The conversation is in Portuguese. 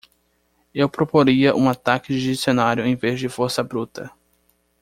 Eu proporia um ataque de dicionário em vez de força bruta.